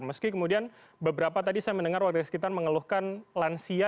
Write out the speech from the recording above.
meski kemudian beberapa tadi saya mendengar warga sekitar mengeluhkan lansia